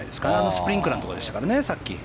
スプリンクラーのところでしたからね。